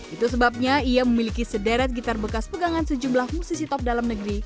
itu sebabnya ia memiliki sederet gitar bekas pegangan sejumlah musisi top dalam negeri